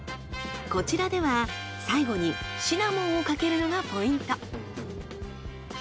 こちらでは最後にシナモンをかけるのがポイント。